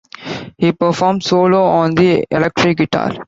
He performs solo on the electric guitar.